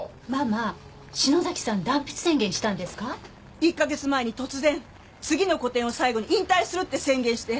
１か月前に突然次の個展を最後に引退するって宣言して。